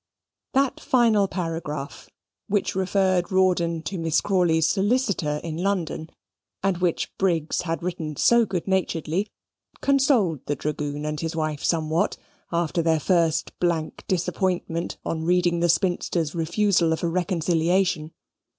That final paragraph, which referred Rawdon to Miss Crawley's solicitor in London, and which Briggs had written so good naturedly, consoled the dragoon and his wife somewhat, after their first blank disappointment, on reading the spinster's refusal of a reconciliation.